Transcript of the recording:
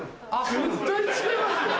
絶対違いますよ。